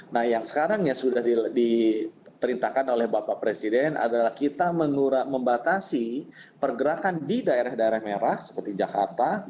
nah yang sekarang yang sudah diperintahkan oleh bapak presiden adalah kita membatasi pergerakan di daerah daerah merah seperti jakarta